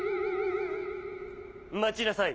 まちなさい！